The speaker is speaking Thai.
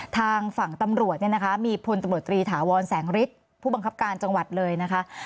ทางฝั่งตำรวจเนี่ยนะคะมีพลตำรวจตรีถาวรแสงฤทธิ์ผู้บังคับการจังหวัดเลยนะคะ